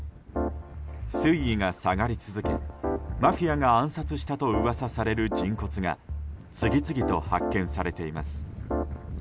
水位が下がり続けマフィアが暗殺したとうわさされる人骨が次々と発見されています。